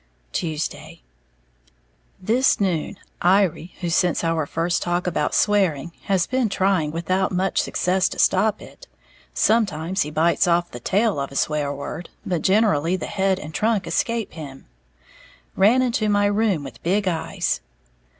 Tuesday. This noon, Iry, who since our first talk about swearing, has been trying without much success to stop it sometimes he bites off the tail of a swear word, but generally the head and trunk escape him ran into my room with big eyes.